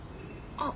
あっ！